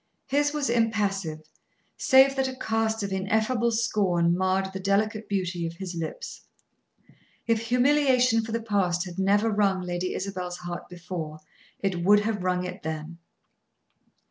His was impassive, save that a cast of ineffable scorn marred the delicate beauty of his lips. If humiliation for the past had never wrung Lady Isabel's heart before, it would have wrung it then.